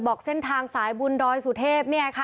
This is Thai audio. บอกเส้นทางสายบุญดอยสุเทพ